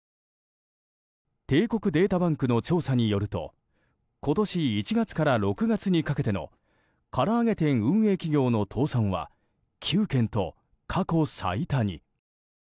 帝国データバンクの調査によると今年１月から６月にかけてのから揚げ店運営企業の倒産は９件と過去最多に。